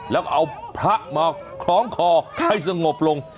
แล้วก็เอาพระมาคล้องคอให้สงบลง